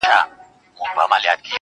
زه څوک لرمه,